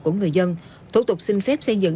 của người dân thủ tục xin phép xây dựng